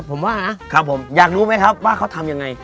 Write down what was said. ผมว่านะครับผมอยากรู้ไหมครับว่าเขาทำยังไง